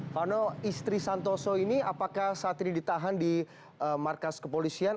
vano istri santoso ini apakah saat ini ditahan di markas kepolisian